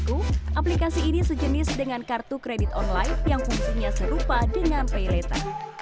aplikasi ini sejenis dengan kartu kredit online yang fungsinya serupa dengan pay later